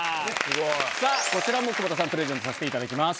さぁこちらも窪田さんにプレゼントさせていただきます。